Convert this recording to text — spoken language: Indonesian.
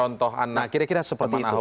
nah kira kira seperti itu